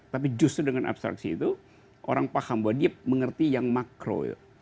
tapi justru dengan abstraksi itu orang paham bahwa dia mengerti yang makro